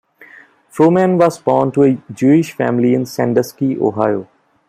Frohman was born to a Jewish family in Sandusky, Ohio.